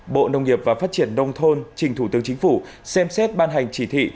bộ nông nghiệp và phát triển nông thôn trình thủ tướng chính phủ xem xét ban hành chỉ thị